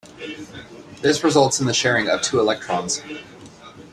This results in the sharing of two electrons.